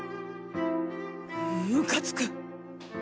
ムカつく！